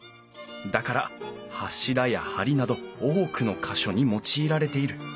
だから柱や梁など多くの箇所に用いられている。